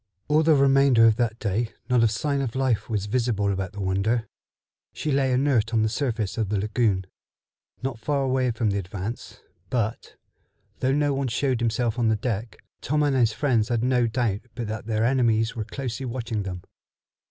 All the remainder of that day not a sign of life was visible about the Wonder. She lay inert on the surface of the lagoon, not far away from the Advance; but, though no one showed himself on the deck, Tom and his friends had no doubt but that their enemies were closely watching them.